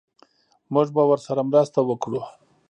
موږ به ورسره مرسته وکړو